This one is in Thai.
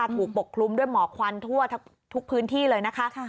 ปกคลุมด้วยหมอกควันทั่วทุกพื้นที่เลยนะคะ